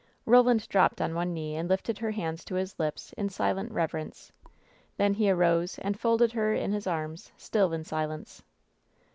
Eoland dropped on one knee and lifted her hands to his lips, in silent reverence. Then he arose and folded her in his arms, still in silence.